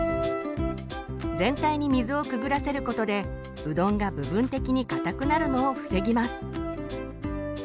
全体に水をくぐらせることでうどんが部分的にかたくなるのを防ぎます。